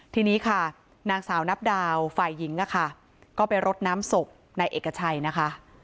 ทีนี้ค่ะนางสาวนับดาวฝ่ายหญิงอะค่ะก็ไปรดน้ำศพนายเอกชัยนะคะ